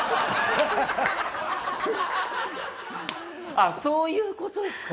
あっそういう事ですか。